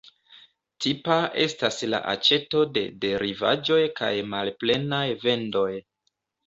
Tipa estas la aĉeto de derivaĵoj kaj malplenaj vendoj.